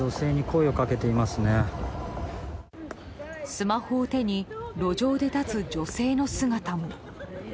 スマホを手に路上で立つ女性の姿も。